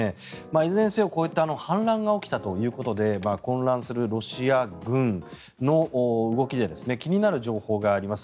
いずれにせよ、こういった反乱が起きたということで混乱するロシア軍の動きで気になる情報があります。